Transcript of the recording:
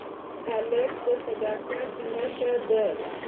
هلک د صداقت نښه ده.